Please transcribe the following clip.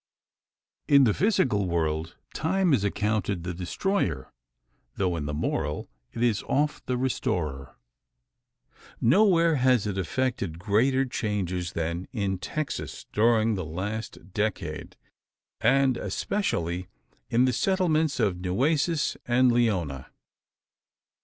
In the physical world Time is accounted the destroyer; though in the moral, it is oft the restorer. Nowhere has it effected greater changes than in Texas during the last decade and especially in the settlements of the Nueces and Leona.